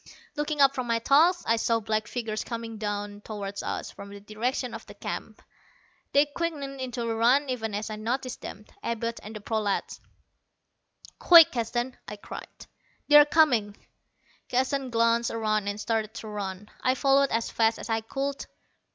Looking up from my task, I saw black figures coming toward us from the direction of the camp. They quickened into a run even as I noticed them Abud and the prolats. "Quick, Keston," I cried, "they're coming." Keston glanced around and started to run. I followed as fast as I could.